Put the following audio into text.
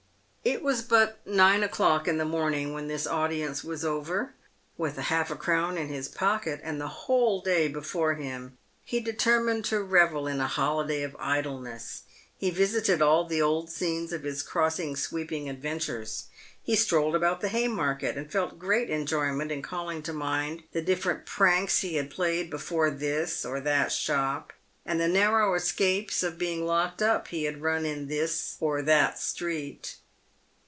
It was but nine o'clock in the morning when this audience was over. With half a crown in his pocket, and the whole day before him, he determined to revel in a holiday of idleness. He visited all the old scenes of his crossing sweeping adventures. He strolled about the Haymarket, and felt great enjoyment in calling to mind the different pranks he had played before this or that shop, and the narrow escapes of being locked up he had run in this or that street.